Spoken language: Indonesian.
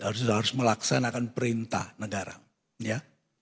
harus melaksanakan perintah negara ya